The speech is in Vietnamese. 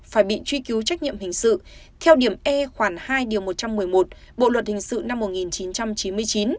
phải bị truy cứu trách nhiệm hình sự theo điểm e khoảng hai điều một trăm một mươi một bộ luật hình sự năm một nghìn chín trăm chín mươi chín